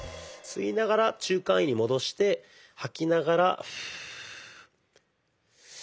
吸いながら中間位に戻して吐きながら。